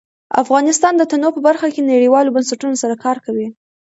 افغانستان د تنوع په برخه کې نړیوالو بنسټونو سره کار کوي.